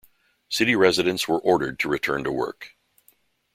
City residents were ordered to return to work.